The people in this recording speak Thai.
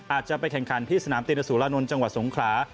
อาจจะไปแข่งขันที่สนามตินสุรานนท์จังหวัดสงขลา